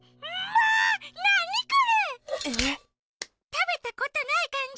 たべたことないかんじ！